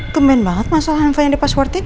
kemen banget mas al hanfa yang dipaswortin